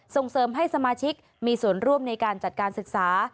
ส่งเสริมให้สมาชิกมีส่วนร่วมในการจัดการศึกษา